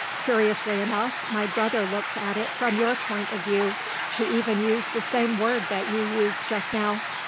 Curiously enough my brother looks at it from your point of view he even used the same word that you used just now.